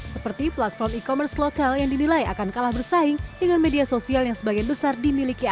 seperti platform e commerce lokal yang dinilai akan kalah bersaing dengan media sosial yang sebagian besar dimiliki asing